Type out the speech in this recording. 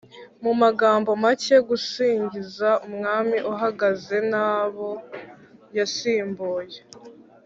mu magambo make, gusingiza umwami uhagaze n'abo yasimbuye